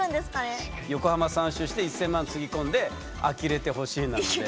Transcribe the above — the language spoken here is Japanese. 「横浜３周して１，０００万つぎ込んであきれてほしい」なので。